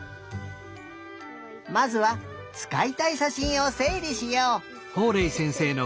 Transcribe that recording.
まずはつかいたいしゃしんをせいりしよう！